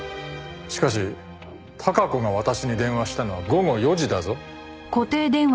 しかし孝子が私に電話したのは午後４時だぞ。